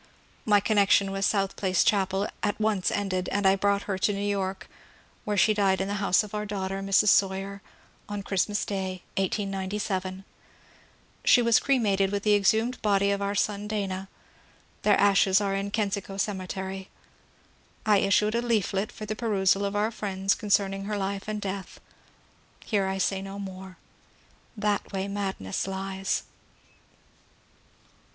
My connection with South Place chapel at once ended, and I brought her to New York, where she died in the house of our daughter, Mrs. Sawyer, on Christmas Day, 1897. She was cremated with the exhumed body of our son Dana. Their ashes are in Kensico Cemetery. I issued a leaflet for the perusal of our friends concerning her life and death. Here I say no more. *^ That way madness lies."